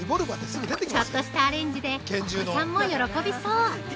◆ちょっとしたアレンジでお子さんも喜びそう！